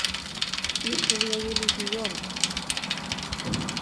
Іх жа ў яе легіён!